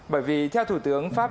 bởi vì theo thủ tướng pháp